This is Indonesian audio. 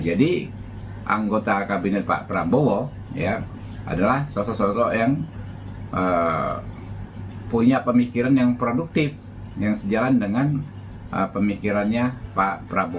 jadi anggota kabinet pak prabowo adalah seseorang yang punya pemikiran yang produktif yang sejalan dengan pemikirannya pak prabowo